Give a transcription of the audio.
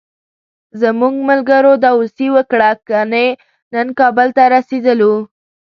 زموږ ملګرو داوسي وکړه، کني نن کابل ته رسېدلو.